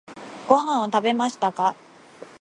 ご飯を食べましたか？